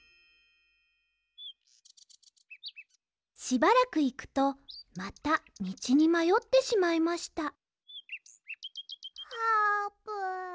しばらくいくとまたみちにまよってしまいましたあーぷん。